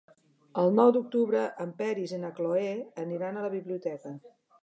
El nou d'octubre en Peris i na Cloè aniran a la biblioteca.